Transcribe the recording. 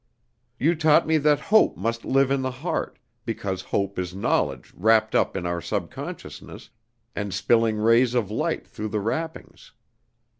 You taught me that hope must live in the heart, because hope is knowledge wrapped up in our subconsciousness, and spilling rays of light through the wrappings.